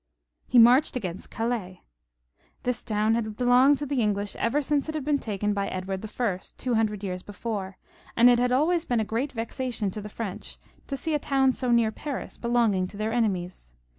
He marched against Calais. This town had belonged to the English ever since it had been taken by Edward I., two hundred years before, and it had always been a great vexation to the French to see a town so near Paris belonging to their enemies."